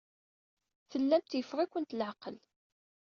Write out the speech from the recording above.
Tellamt yeffeɣ-ikent leɛqel.